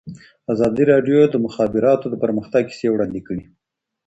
ازادي راډیو د د مخابراتو پرمختګ کیسې وړاندې کړي.